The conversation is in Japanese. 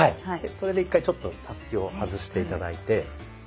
それで一回ちょっとたすきを外して頂いて。